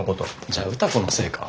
じゃあ歌子のせいか？